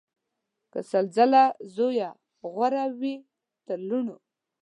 که سل ځله زویه غوره وي تر لوڼو